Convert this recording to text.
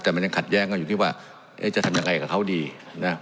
แต่มันยังขัดแย้งกันอยู่ที่ว่าเอ๊ะจะทำยังไงกับเขาดีนะ